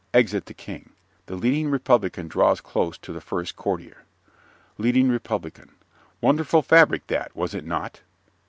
(Exit the King. The Leading Republican draws close to the first Courtier.) LEADING REPUBLICAN Wonderful fabric that, was it not?